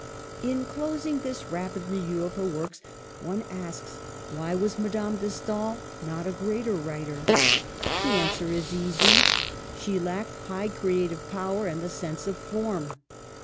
In closing this rapid review of her works, one asks why was Madame de Stael not a greater writer? The answer is easy; she lacked high creative power and the sense of form.